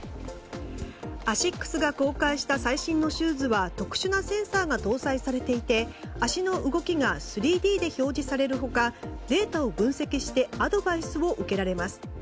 アシックスが公開した最新のシューズは特殊なセンサーが搭載されていて足の動きが３Ｄで表示される他データを分析してアドバイスを受けられます。